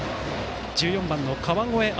１４番の川越葵